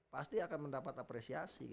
pasti akan mendapat apresiasi